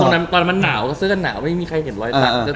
ตอนนั้นมันหนาวเซื้อหนาวไม่มีใครเห็นรอยหลัง